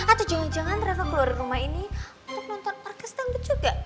atau jangan jangan mereka keluar rumah ini untuk nonton orkes dangdut juga